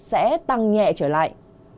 sẽ tăng nhẹ trở lại